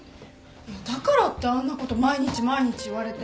だからってあんなこと毎日毎日言われて